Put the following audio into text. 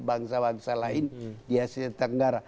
bangsa bangsa lain di asia tenggara